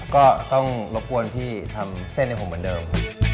ก็ต้องรบกวนพี่ทำเส้นให้ผมเหมือนเดิม